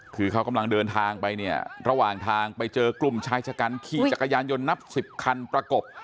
คือเขากำลังเดินทางไปเนี่ยระหว่างทางไปเจอกลุ่มชายชะกันขี่จักรยานยนต์นับสิบคันประกบ